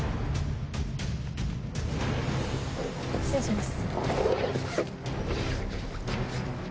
失礼します。